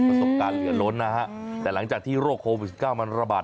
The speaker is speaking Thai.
ประสบการณ์เหลือล้นนะฮะแต่หลังจากที่โรคโควิด๑๙มันระบาด